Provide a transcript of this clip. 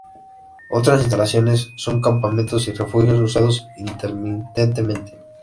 Otras instalaciones son campamentos y refugios usados intermitentemente.